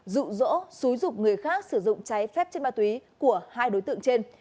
rụ rỗ xúi rụp người khác sử dụng trái phép chất ma túy của hai đối tượng trên